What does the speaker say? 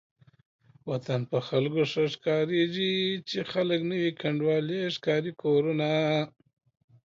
وطن په خلکو ښه ښکاريږي چې خلک نه وي کنډوالې ښکاري کورونه